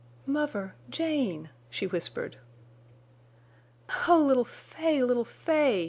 "Muvver—Jane!" she whispered. "Oh, little Fay, little Fay!"